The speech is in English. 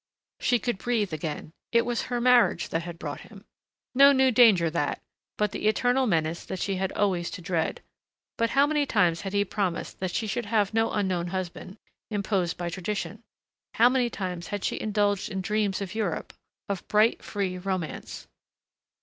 She could breathe again.... It was her marriage that had brought him. No new danger, that, but the eternal menace that she had always to dread.... But how many times had he promised that she should have no unknown husband, imposed by tradition! How many times had she indulged dreams of Europe, of bright, free romance!